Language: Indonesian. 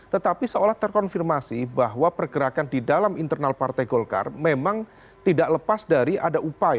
tetapi seolah terkonfirmasi bahwa pergerakan di dalam internal partai golkar memang tidak lepas dari ada upaya